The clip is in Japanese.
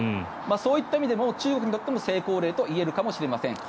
そういった意味でも中国にとっても成功例と言えるかもしれません。